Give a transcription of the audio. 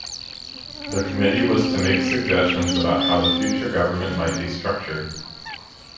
The committee was to make suggestions about how the future government might be structured.